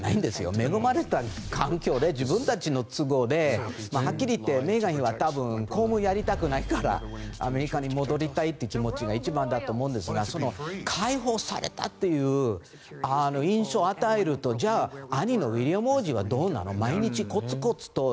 恵まれた環境で自分たちの都合ではっきり言ってメーガン妃は公務をやりたくないからアメリカに戻りたいという気持ちが一番だと思うんですが解放されたという印象を与えるとじゃあ、兄のウィリアム王子はどうなの？